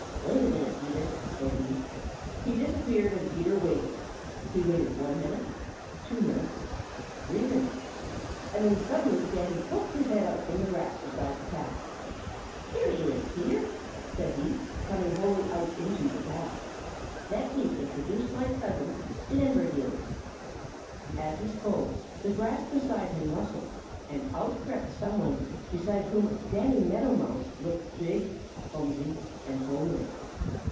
"Wait a minute, Peter," said he. He disappeared, and Peter waited. He waited one minute, two minutes, three minutes, and then suddenly Danny poked his head out from the grass beside the path. "Here he is, Peter," said he, coming wholly out into the path. "Let me introduce my cousin, Limberheels." As he spoke the grass beside him rustled, and out crept some one beside whom Danny Meadow Mouse looked big, clumsy and homely.